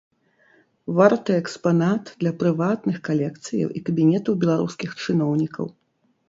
Варты экспанат для прыватных калекцыяў і кабінетаў беларускіх чыноўнікаў.